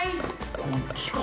こっちか？